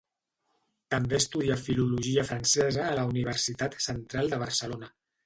També estudià Filologia francesa a la Universitat Central de Barcelona.